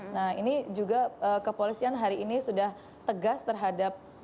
nah ini juga kepolisian hari ini sudah tegas terhadap